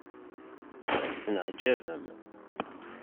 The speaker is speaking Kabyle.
Tenεaǧabem.